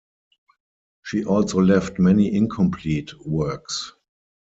She also left many incomplete works.